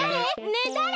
ねえだれ？